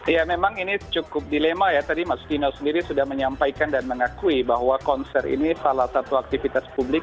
ya memang ini cukup dilema ya tadi mas dino sendiri sudah menyampaikan dan mengakui bahwa konser ini salah satu aktivitas publik